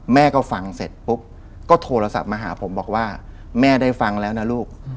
แม่ก็ฟังเสร็จปุ๊บก็โทรศัพท์มาหาผมบอกว่าแม่ได้ฟังแล้วนะลูก